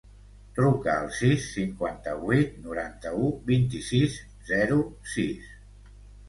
Truca al sis, cinquanta-vuit, noranta-u, vint-i-sis, zero, sis.